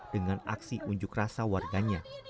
dengan aksi unjuk rasa warganya